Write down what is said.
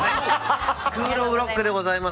「スクールオブロック」でございます。